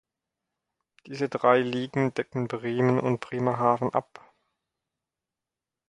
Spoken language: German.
Diese drei Ligen decken Bremen und Bremerhaven ab.